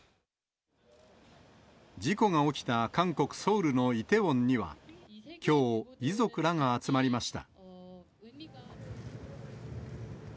事故が起きた韓国・ソウルのイテウォンには、きょう、遺族らが集まりました。